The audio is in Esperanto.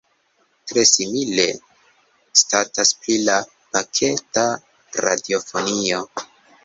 Tre simile statas pri la paketa radiofonio.